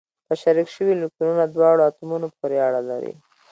په شریک شوي الکترونونه دواړو اتومونو پورې اړه لري.